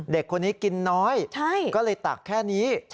เด็กคนนี้กินน้อยก็เลยตักแค่นี้